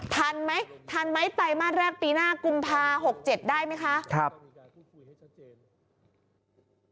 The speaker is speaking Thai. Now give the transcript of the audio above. ทันไหมทันไหมไอ้ไตมาสแรกปีหน้ากุมภาคม๖๗ได้ไหมคะ